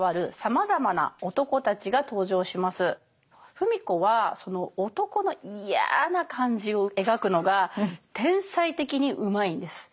芙美子はその男のイヤな感じを描くのが天才的にうまいんです。